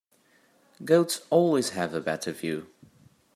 Goats always have a better view.